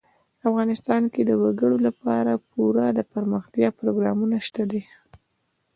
افغانستان کې د وګړي لپاره پوره دپرمختیا پروګرامونه شته دي.